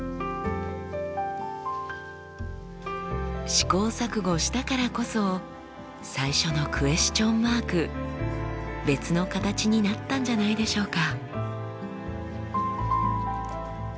試行錯誤したからこそ最初のクエスチョンマーク別の形になったんじゃないでしょうか？